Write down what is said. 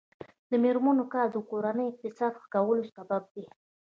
د میرمنو کار د کورنۍ اقتصاد ښه کولو سبب دی.